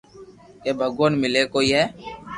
ڪي ڀگوان ملي ڪوئي ھي